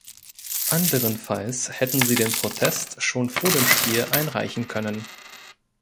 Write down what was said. Anderenfalls hätten sie den Protest schon vor dem Spiel einreichen können.